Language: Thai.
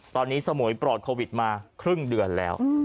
ตอนนี้สมุยปลอดโควิดมาครึ่งเดือนแล้ว